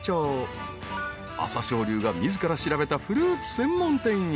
［朝青龍が自ら調べたフルーツ専門店へ］